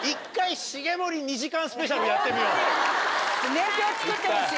年表作ってほしい。